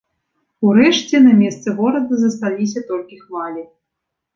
Урэшце на месцы горада засталіся толькі хвалі.